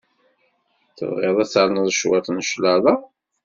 Tebɣiḍ ad ternuḍ cwiṭ n cclaḍa?